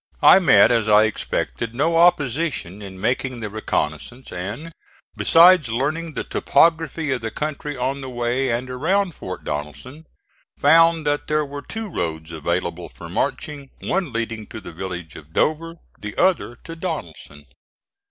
I met, as I expected, no opposition in making the reconnoissance and, besides learning the topography of the country on the way and around Fort Donelson, found that there were two roads available for marching; one leading to the village of Dover, the other to Donelson.